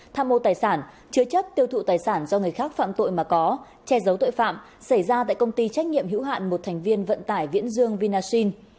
tham mô tài sản chứa chấp tiêu thụ tài sản do người khác phạm tội mà có che giấu tội phạm xảy ra tại công ty trách nhiệm hữu hạn một thành viên vận tải viễn dương vinasin